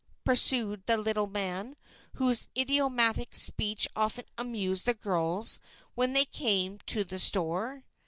pursued the little man, whose idiomatic speech often amused the girls when they came to the store.